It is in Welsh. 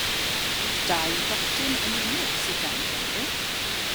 Dau ddotyn yn unig sydd gan y fenyw.